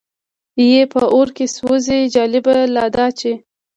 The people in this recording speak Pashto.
یې په اور کې وسوځي، جالبه لا دا چې.